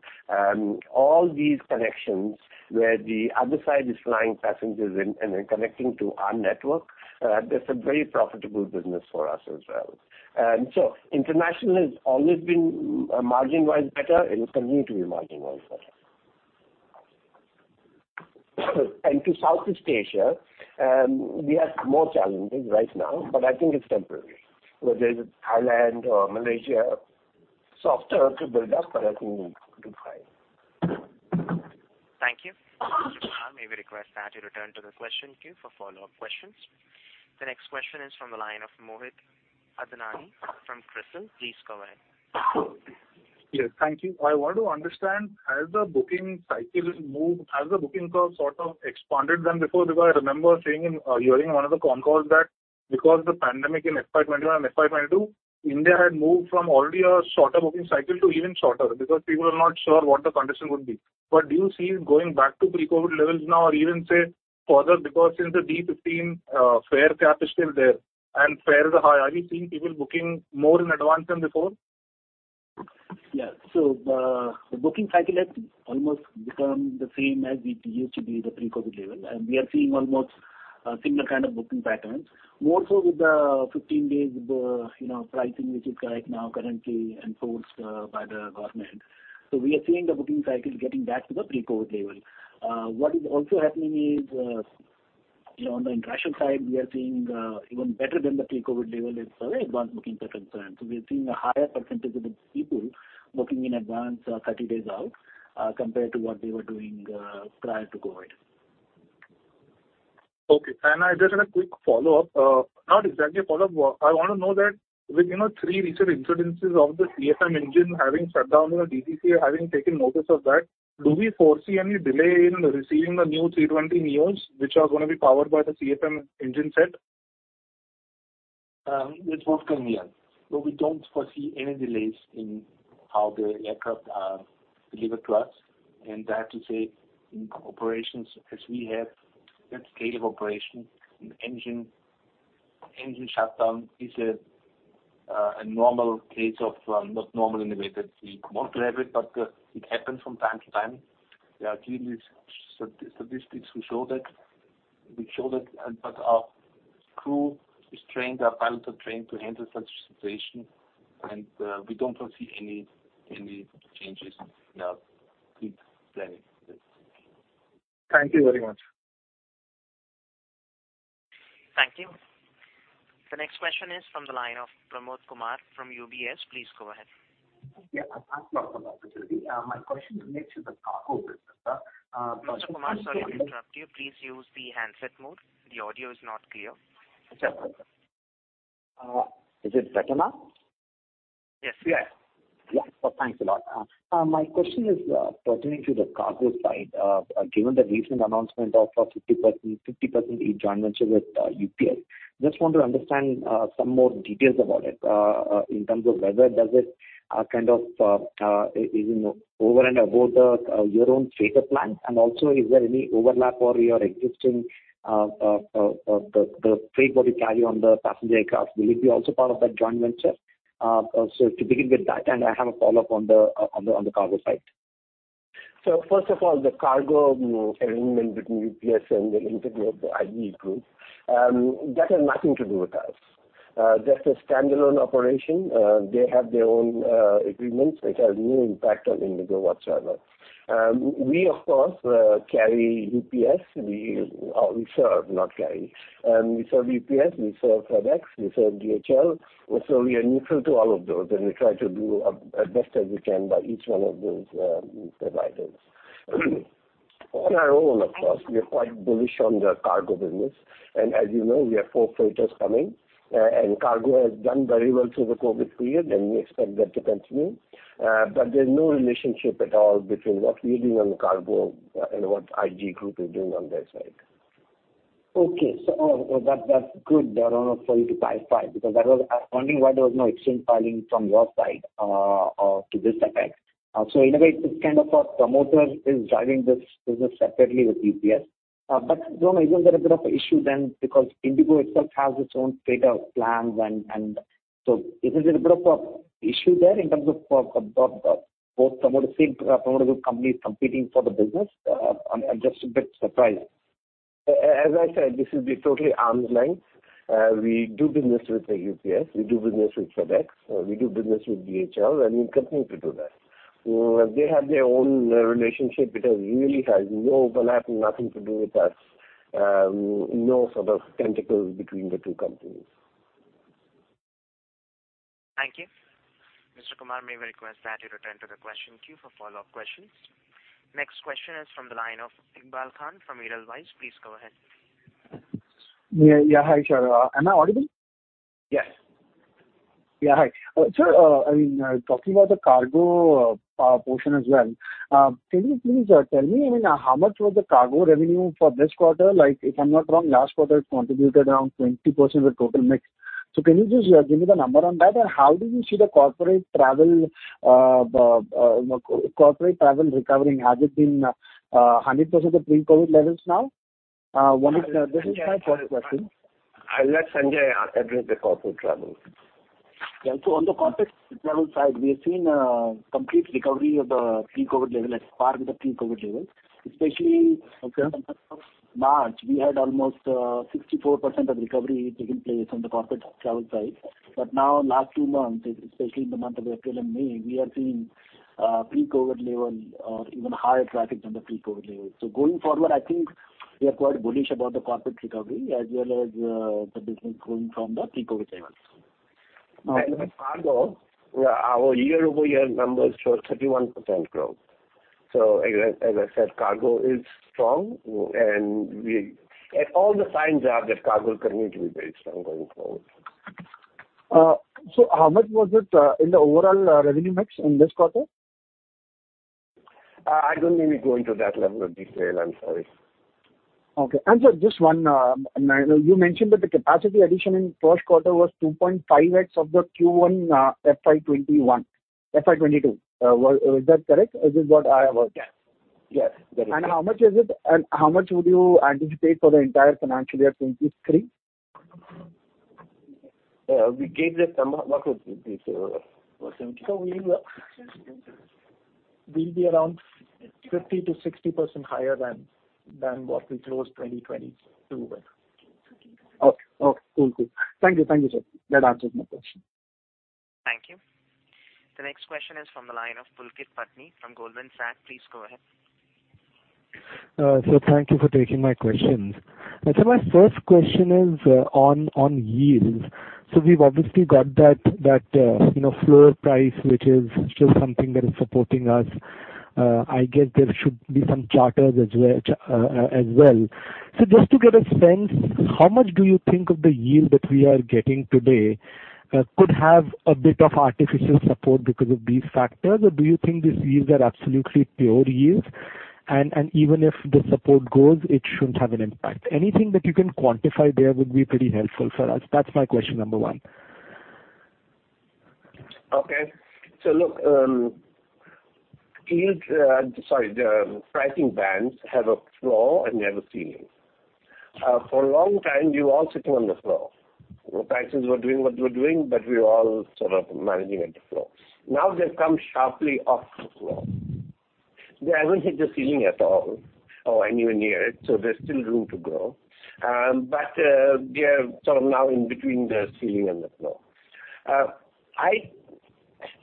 all these connections where the other side is flying passengers and then connecting to our network, that's a very profitable business for us as well. International has always been margin-wise better and will continue to be margin-wise better. To Southeast Asia, we have more challenges right now, but I think it's temporary, whether it's Thailand or Malaysia. Softer to build up, but I think we'll do fine. Thank you. Mr. Kumar, may we request that you return to the question queue for follow-up questions. The next question is from the line of Mohit Adnani from Crisil. Please go ahead. Yes, thank you. I want to understand, has the booking curve sort of expanded than before? Because I remember hearing one of the conference calls that because the pandemic in FY 2021 and FY 2022, India had moved from already a shorter booking cycle to even shorter because people are not sure what the condition would be. But do you see it going back to pre-COVID levels now or even, say, further? Because in the D15, fare cap is still there and fares are high. Are you seeing people booking more in advance than before? Yeah. The booking cycle has almost become the same as it used to be the pre-COVID level, and we are seeing almost a similar kind of booking patterns. More so with the 15 days, pricing which is right now currently enforced by the government. We are seeing the booking cycle getting back to the pre-COVID level. What is also happening is on the international side we are seeing even better than the pre-COVID level as far as advance bookings are concerned. We are seeing a higher percentage of the people booking in advance, 30 days out, compared to what they were doing prior to COVID. Okay. I just had a quick follow-up. Not exactly a follow-up. I want to know that with three recent incidents of the CFM engine having shut down and the DGCA having taken notice of that, do we foresee any delay in receiving the new A320neos, which are gonna be powered by the CFM engines? It won't come here. No, we don't foresee any delays in how the aircraft are delivered to us. I have to say in operations, as we have that scale of operation, an engine shutdown is a normal case of not normal in the way that we want to have it, but it happens from time to time. There are clearly statistics that show that, but our crew is trained, our pilots are trained to handle such situation, and we don't foresee any changes in our fleet planning with this. Thank you very much. Thank you. The next question is from the line of Pramod Kumar from UBS. Please go ahead. Yeah, thanks a lot for the opportunity. My question relates to the cargo business, sir. Mr. Kumar, sorry to interrupt you. Please use the handset mode. The audio is not clear. Sure. Is it better now? Yes, we are. Yeah. Thanks a lot. My question is pertaining to the cargo side. Given the recent announcement of a 50% joint venture with UPS, just want to understand some more details about it. In terms of whether does it kind of you know over and above your own freighter plan? And also is there any overlap for your existing the freight belly carry on the passenger aircraft? Will it be also part of that joint venture? To begin with that, and I have a follow-up on the cargo side. First of all, the cargo arrangement between UPS and the InterGlobe, that has nothing to do with us. That's a standalone operation. They have their own agreements which has no impact on IndiGo whatsoever. We of course carry UPS. We serve, not carry. We serve UPS, we serve FedEx, we serve DHL. We are neutral to all of those, and we try to do our best as we can by each one of those providers. On our own of course, we are quite bullish on the cargo business. As you know, we have four freighters coming, and cargo has done very well through the COVID period and we expect that to continue. There's no relationship at all between what we are doing on the cargo and what InterGlobe Group is doing on their side. That's good, Ronojoy, for you to clarify because I was wondering why there was no exchange filing from your side to this effect. In a way it's kind of a promoter is driving this business separately with UPS. Ronojoy, isn't there a bit of a issue then because IndiGo itself has its own freighter plans and so isn't there a bit of a issue there in terms of both promoters, promoter group companies competing for the business? I'm just a bit surprised. As I said, this will be totally arm's length. We do business with the UPS, we do business with FedEx, we do business with DHL, and we continue to do that. They have their own relationship. It really has no overlap, nothing to do with us. No sort of tentacles between the two companies. Thank you. Mr. Kumar, may we request that you return to the question queue for follow-up questions. Next question is from the line of Iqbal Khan from Edelweiss. Please go ahead. Yeah. Hi, sir. Am I audible? Yes. Yeah. Hi. Sir, I mean, talking about the cargo portion as well. Can you please tell me, I mean, how much was the cargo revenue for this quarter? Like, if I'm not wrong, last quarter it contributed around 20% of the total mix. So can you just give me the number on that? And how do you see the corporate travel, corporate travel recovering? Has it been 100% of pre-COVID levels now? This is my first question. I'll let Sanjay address the corporate travel. On the corporate travel side, we have seen complete recovery of the pre-COVID level, at par with the pre-COVID levels, especially. Okay. In the month of March, we had almost 64% of recovery taking place on the corporate travel side. Now last two months, especially in the month of April and May, we are seeing pre-COVID level or even higher traffic than the pre-COVID levels. Going forward, I think we are quite bullish about the corporate recovery as well as the business growing from the pre-COVID levels. Okay. With cargo, our year-over-year numbers show 31% growth. As I said, cargo is strong and all the signs are that cargo is going to be very strong going forward. How much was it in the overall revenue mix in this quarter? I don't need me going to that level of detail. I'm sorry. Okay. Sir, just one. You mentioned that the capacity addition in first quarter was 2.5x of the Q1, FY 2022. Is that correct? Is this what I heard? Yes, that is correct. How much would you anticipate for the entire financial year 2023? We gave that number. What was it, Sanjay? We'll be around 50%-60% higher than what we closed 2022 with. Okay, cool. Thank you, sir. That answers my question. Thank you. The next question is from the line of Pulkit Patni from Goldman Sachs. Please go ahead. Sir, thank you for taking my questions. Sir, my first question is on yields. We've obviously got that you know floor price, which is just something that is supporting us. I guess there should be some charters as well. Just to get a sense, how much do you think of the yield that we are getting today could have a bit of artificial support because of these factors? Or do you think these yields are absolutely pure yields, and even if the support goes, it shouldn't have an impact? Anything that you can quantify there would be pretty helpful for us. That's my question number one. Okay. Look, the pricing bands have a floor and they have a ceiling. For a long time, we were all sitting on the floor. Prices were doing what they were doing, but we were all sort of managing at the floor. Now they've come sharply off the floor. They haven't hit the ceiling at all or anywhere near it, so there's still room to grow. But they are sort of now in between the ceiling and the floor.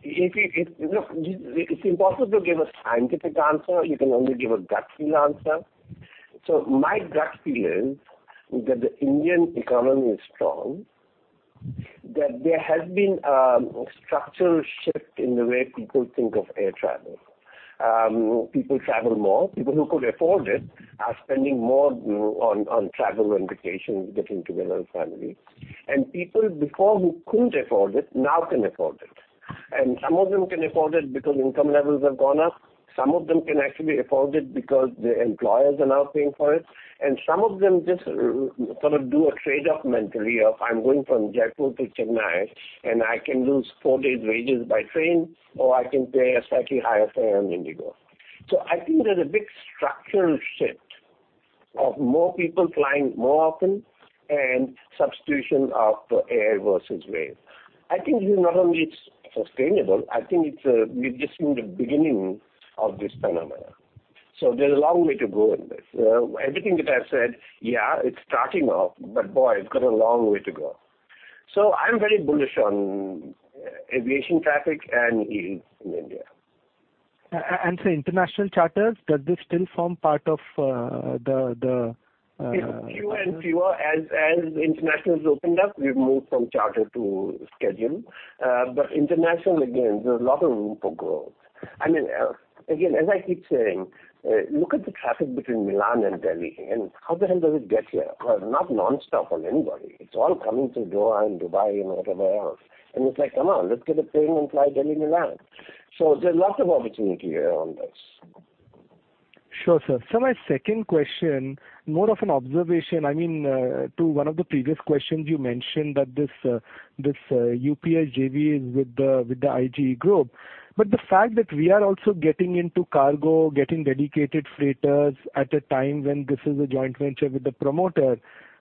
Look, it's impossible to give a scientific answer. You can only give a gut feel answer. My gut feel is that the Indian economy is strong, that there has been a structural shift in the way people think of air travel. People travel more. People who could afford it are spending more on travel and vacations, getting together with family. People before who couldn't afford it now can afford it. Some of them can afford it because income levels have gone up. Some of them can actually afford it because their employers are now paying for it. Some of them just sort of do a trade-up mentally of, "I'm going from Jaipur to Chennai, and I can lose four days wages by train, or I can pay a slightly higher fare on IndiGo." I think there's a big structural shift of more people flying more often and substitution of air versus rail. I think this not only is sustainable, I think it's, we've just seen the beginning of this phenomenon. There's a long way to go in this. Everything that I've said, yeah, it's starting off, but boy, it's got a long way to go. I'm very bullish on aviation traffic and yields in India. Sir, international charters, does this still form part of the. It's fewer and fewer. As internationals opened up, we've moved from charter to schedule. But international, again, there's a lot of room for growth. I mean, again, as I keep saying, look at the traffic between Milan and Delhi and how the hell does it get here? Well, not nonstop on anybody. It's all coming through Doha and Dubai and whatever else. It's like, come on, let's get a plane and fly Delhi-Milan. There's lots of opportunity here on this. Sure, sir. My second question, more of an observation. I mean, to one of the previous questions you mentioned that this UPS JV is with the IGE group. The fact that we are also getting into cargo, getting dedicated freighters at a time when this is a joint venture with the promoter,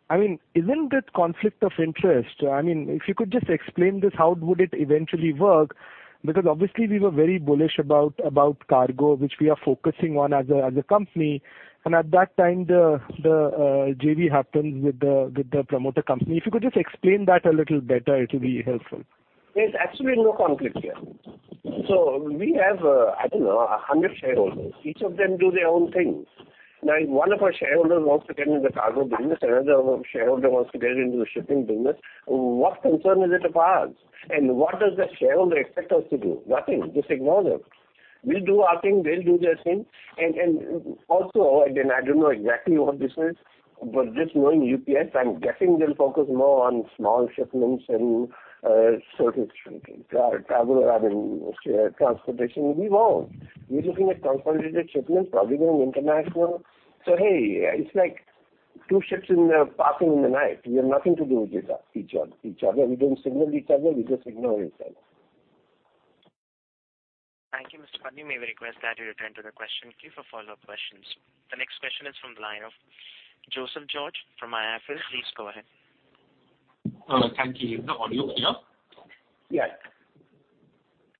I mean, isn't that conflict of interest? I mean, if you could just explain this, how would it eventually work? Because obviously we were very bullish about cargo, which we are focusing on as a company. At that time the JV happened with the promoter company. If you could just explain that a little better, it'll be helpful. There's absolutely no conflict here. We have, I don't know, 100 shareholders. Each of them do their own things. Now, if one of our shareholders wants to get into the cargo business, another shareholder wants to get into the shipping business, what concern is it of ours? What does that shareholder expect us to do? Nothing. Just ignore them. We'll do our thing. They'll do their thing. Also, again, I don't know exactly what this is, but just knowing UPS, I'm guessing they'll focus more on small shipments and certain travel, I mean, transportation. We won't. We're looking at consolidated shipments, probably going international. Hey, it's like two ships passing in the night. We have nothing to do with each other. We don't signal each other. We just ignore each other. We may request that you return to the question queue for follow-up questions. The next question is from the line of Joseph George from IIFL. Please go ahead. Thank you. Is the audio clear? Yeah.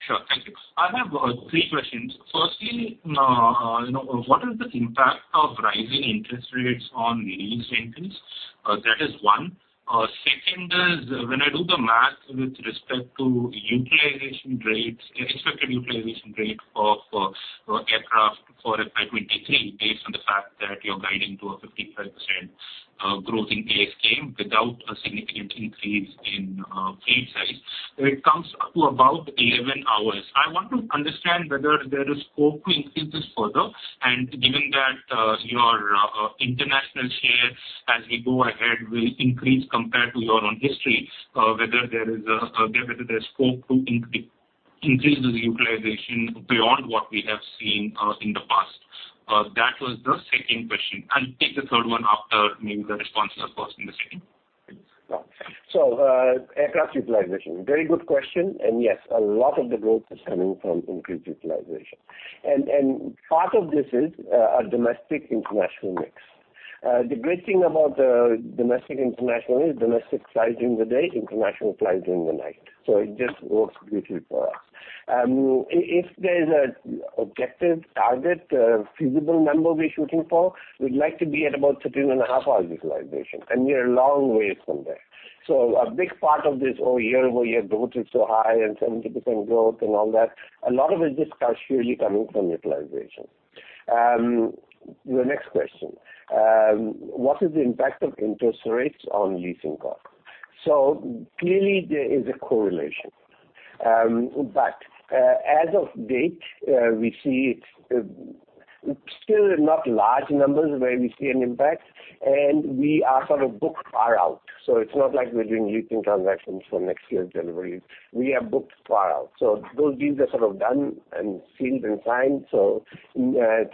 Sure. Thank you. I have three questions. Firstly, you know, what is the impact of rising interest rates on lease rentals? That is one. Second is when I do the math with respect to utilization rates, expected utilization rate of aircraft for FY 2023 based on the fact that you're guiding to a 55% growth in ASK without a significant increase in fleet size, it comes to about 11 hours. I want to understand whether there is scope to increase this further. Given that your international shares as we go ahead will increase compared to your own history, whether there is scope to increase the utilization beyond what we have seen in the past. That was the second question. I'll take the third one after maybe the responses of first and the second. Aircraft utilization. Very good question. Yes, a lot of the growth is coming from increased utilization. Part of this is a domestic international mix. The great thing about the domestic international is domestic flies during the day, international flies during the night. It just works beautifully for us. If there's an objective target, feasible number we're shooting for, we'd like to be at about 13.5 hours utilization, and we are a long way from there. A big part of this all year-over-year growth is so high and 70% growth and all that. A lot of it is just surely coming from utilization. Your next question, what is the impact of interest rates on leasing costs? Clearly, there is a correlation. As of date, we see still not large numbers where we see an impact, and we are sort of booked far out. It's not like we're doing leasing transactions for next year's deliveries. We are booked far out. Those deals are sort of done and sealed and signed. For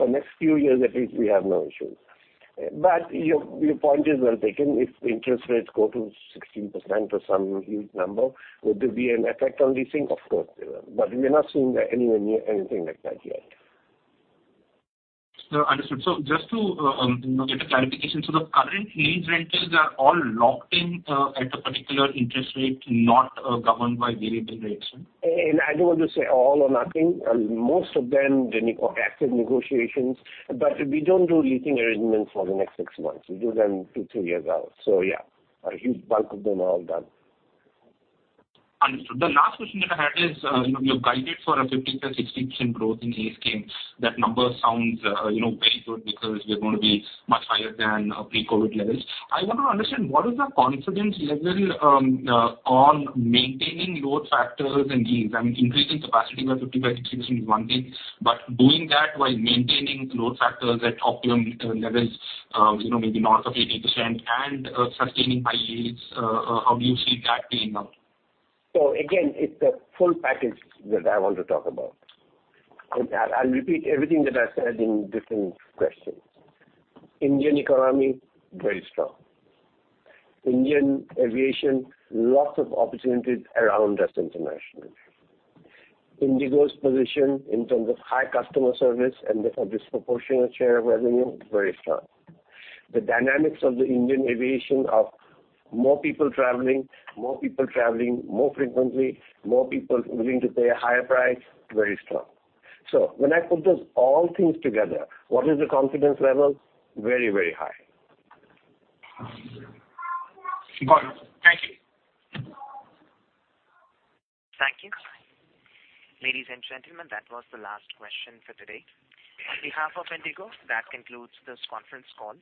next few years at least, we have no issues. Your point is well taken. If interest rates go to 16% or some huge number, would there be an effect on leasing? Of course there will. We're not seeing anywhere near anything like that yet. No, understood. Just to get a clarification. The current lease rentals are all locked in at a particular interest rate, not governed by variable rates. I don't want to say all or nothing. Most of them during active negotiations. We don't do leasing arrangements for the next six months. We do them two, three years out. Yeah, a huge bulk of them are all done. Understood. The last question that I had is, you know, you've guided for a 15%-16% growth in ASK. That number sounds, you know, very good because we're going to be much higher than pre-COVID levels. I want to understand what is the confidence level, on maintaining load factors and yields. I mean, increasing capacity by 50%-60% is one thing, but doing that while maintaining load factors at optimum, levels maybe north of 80% and, sustaining high yields, how do you see that playing out? Again, it's a full package that I want to talk about. I'll repeat everything that I said in different questions. Indian economy, very strong. Indian aviation, lots of opportunities around us internationally. IndiGo's position in terms of high customer service and therefore disproportionate share of revenue, very strong. The dynamics of the Indian aviation of more people traveling, more people traveling more frequently, more people willing to pay a higher price, very strong. When I put those all things together, what is the confidence level? Very, very high. Got it. Thank you. Thank you. Ladies and gentlemen, that was the last question for today. On behalf of IndiGo, that concludes this conference call.